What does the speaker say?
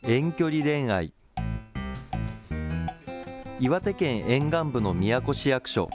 岩手県沿岸部の宮古市役所。